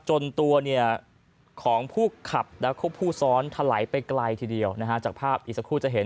จนตัวเนี่ยของผู้ขับและผู้ซ้อนถลายไปไกลทีเดียวนะฮะจากภาพอีกสักครู่จะเห็น